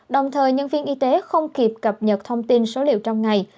đồng thời nhân viên y tế không kịp cập nhật thông tin số liệu trong ngày